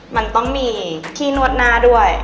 มันต้องมีที่นวดหน้าด้วย